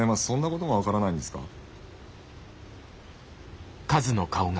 そんなことも分からないんですか？